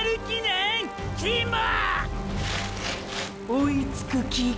追いつく気か